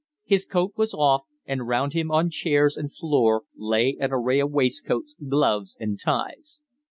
His coat was off, and round him on chairs and floor lay an array of waistcoats, gloves, and ties.